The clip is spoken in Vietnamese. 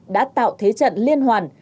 đã tạo thế trận liên hoàn